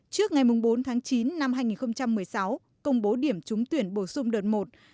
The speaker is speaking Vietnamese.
trước ngày bốn tháng chín năm hai nghìn một mươi sáu công bố điểm trúng tuyển bổ sung đợt một